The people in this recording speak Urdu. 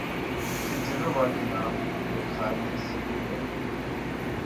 کس دل ربا کے نام پہ خالی سبو کریں